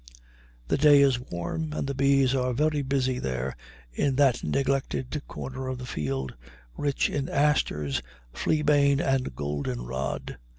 The day is warm, and the bees are very busy there in that neglected corner of the field, rich in asters, fleabane, and goldenrod.